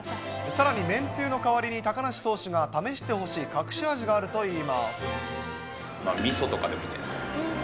さらに、めんつゆの代わりに高梨投手が試してほしい隠し味があるといいまみそとかでも。